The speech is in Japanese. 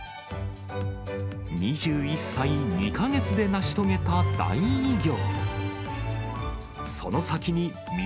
２１歳２か月で成し遂げた大偉業。